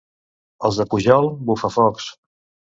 Els de Pujol, bufafocs.